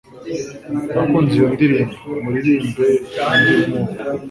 Nakunze iyo ndirimbo. Muririmbe undi nkuwo.